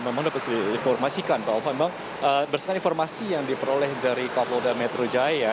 memang dapat disinformasikan bahwa memang bersamaan informasi yang diperoleh dari kapolodan metro jaya